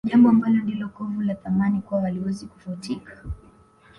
Jambo ambalo ndilo kovu la Thamani kwao haliwezi kufutika